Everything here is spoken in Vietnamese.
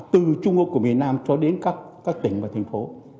từ trung ương của miền nam cho đến các tỉnh và thành phố